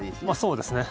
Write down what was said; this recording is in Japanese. そうですね。